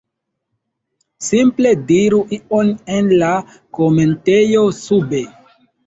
simple diru ion en la komentejo sube